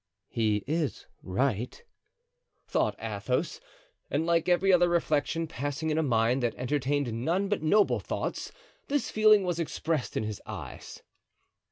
"He is right," thought Athos. And, like every other reflection passing in a mind that entertained none but noble thoughts, this feeling was expressed in his eyes.